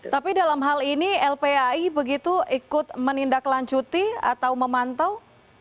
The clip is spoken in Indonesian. tapi dalam hal ini lpai begitu ikut menindaklanjuti atau memantau